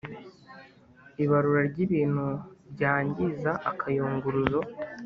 Ibarura ry ibintu byangiza akayunguruzo